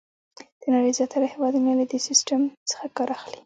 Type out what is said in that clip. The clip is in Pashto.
د نړۍ زیاتره هېوادونه له دې سیسټم څخه کار اخلي.